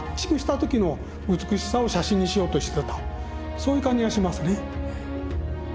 そういう感じがしますね。